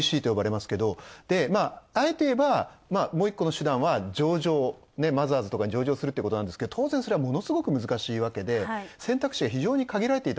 あえていえばもう１個の手段は、マザーズとかに上場することなんですが当然それはものすごく難しいわけで選択肢が限られていた。